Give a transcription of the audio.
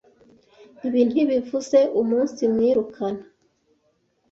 ibi ntibivuze umunsimwirukana